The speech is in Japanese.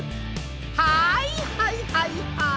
はいはいはいはい！